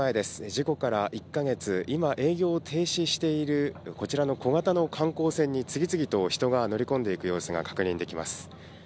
事故から１か月、今、営業を停止しているこちらの小型の観光船に次々と人が乗り込んでいく様子が確認できます。